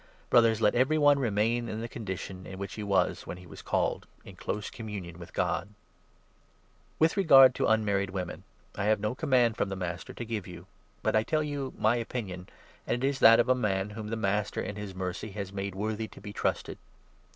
Brothers, let every 24 one remain in the condition in which he was when he was called, in close communion with God. Difficulties With regard to unmarried women, I have no 25 ^"wJth' command from the Master to give you, but I tell Marriage, you my opinion, and it is that of a man whom the Master in his mercy has made worthy to be trusted.